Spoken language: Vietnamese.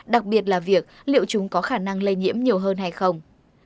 đặc biệt là việc liệu chúng có khả năng lây nhiễm nhiều hơn hay không